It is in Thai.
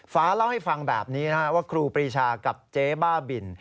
ฟ้าเล่าให้ฟังแบบนี้ว่าครูปรีชากับเจ๊บ้าบิน